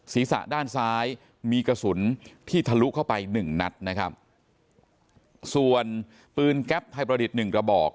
ศีรษะด้านซ้ายมีกระสุนที่ทะลุเข้าไปหนึ่งนัดนะครับส่วนปืนแก๊ปไทยประดิษฐ์หนึ่งกระบอก